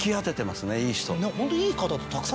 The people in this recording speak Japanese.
ホントにいい方とたくさん。